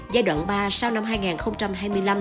giai đoạn ba sau năm hai nghìn hai mươi năm